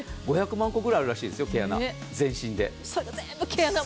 ５００万個くらいあるらしいですよ、毛穴全身で。